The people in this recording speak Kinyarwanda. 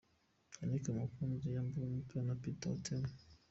Yannick Mukunzi yamburwa umupira na Peter Otema.